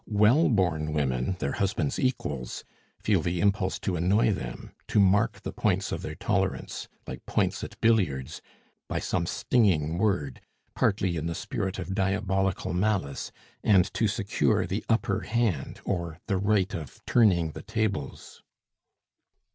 Well born women, their husbands' equals, feel the impulse to annoy them, to mark the points of their tolerance, like points at billiards, by some stinging word, partly in the spirit of diabolical malice, and to secure the upper hand or the right of turning the tables.